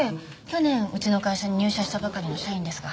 去年うちの会社に入社したばかりの社員ですが。